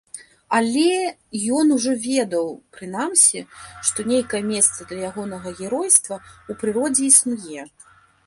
Але ён ужо ведаў, прынамсі, што нейкае месца для ягонага геройства ў прыродзе існуе.